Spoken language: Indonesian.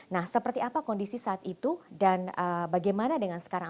nah seperti apa kondisi saat itu dan bagaimana dengan sekarang